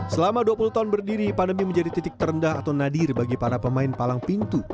selama dua puluh tahun berdiri pandemi menjadi titik terendah atau nadir bagi para pemain palang pintu